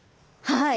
はい。